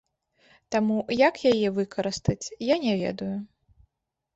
Таму як яе выкарыстаць, я не ведаю.